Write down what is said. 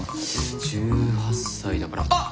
１８歳だからあっ！